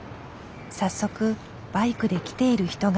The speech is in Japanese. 早速バイクで来ている人が。